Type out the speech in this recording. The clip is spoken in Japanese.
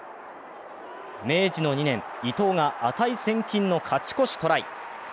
明治の２年・伊藤が値千金の勝ち越しトライ。